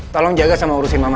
tolong jaga sama urusin mama